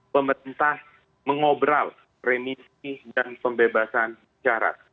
pemerintah mengobrol remisi dan pembebasan syarat